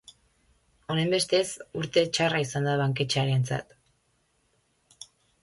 Honenbestez, urte txarra izan da banketxearentzat.